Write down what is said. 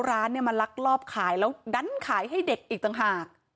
ร้านเนี่ยมาลักลอบขายแล้วดันขายให้เด็กอีกต่างหาก